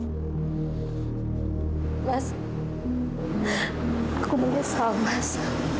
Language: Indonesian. mas aku menyesal mas